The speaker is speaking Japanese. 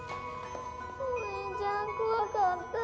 お姉ちゃん怖かった。